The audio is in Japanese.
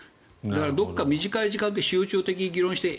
どこか短い時間で集中的に議論してえ